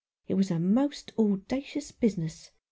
It was a most audacious business.